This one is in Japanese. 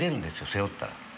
背負ったら。